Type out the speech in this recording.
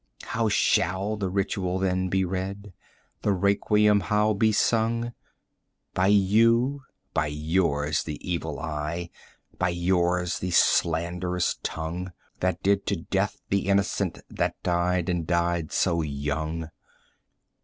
How shall the ritual, then, be read? the requiem how be sung 10 By you by yours, the evil eye, by yours, the slanderous tongue That did to death the innocence that died, and died so young?"